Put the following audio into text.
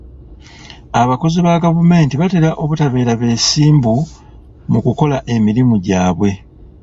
Abakozi ba gavumenti batera obutabeera beesimbu mu kukola emirimu gyabwe.